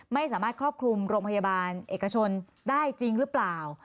ไม่สามารถครอบคลุมโรงพยาบาลเอกชนได้จริงหรือเปล่า